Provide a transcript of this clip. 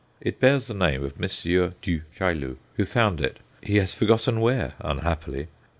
It bears the name of M. Du Chaillu, who found it he has forgotten where, unhappily.